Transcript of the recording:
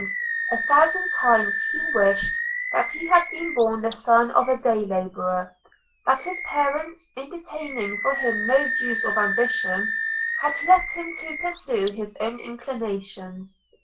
A thousand times he wished that he had been born the son of a day labourer; that his parents, entertaining for him no views of ambition, had left him to pursue his own inclinations.